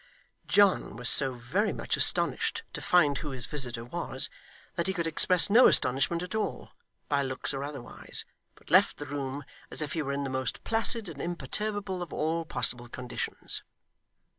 John was so very much astonished to find who his visitor was, that he could express no astonishment at all, by looks or otherwise, but left the room as if he were in the most placid and imperturbable of all possible conditions.